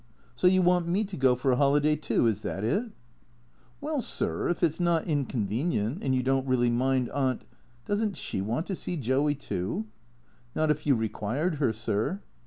" So you want me to go for a holiday, too. Is that it ?"" Well, sir, if it 's not inconvenient, and you don't really mind Aunt •"" Does n't she want to see Joey, too ?"" Not if you required her, sir."